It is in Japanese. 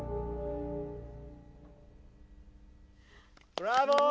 ブラボー！